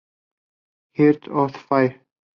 Hearts on fire